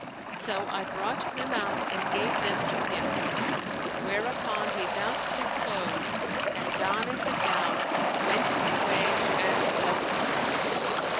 So I brought them out and gave them to him; whereupon he doffed his clothes and, donning the gown, went his way and left me.